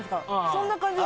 そんな感じ。